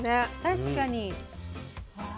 確かに。